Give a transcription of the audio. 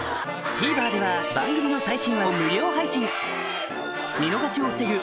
ＴＶｅｒでは番組の最新話を無料配信見逃しを防ぐ